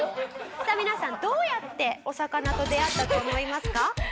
さあ皆さんどうやってお魚と出会ったと思いますか？